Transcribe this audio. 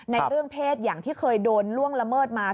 ในเรื่องเพศอย่างที่เคยโดนล่วงละเมิดมา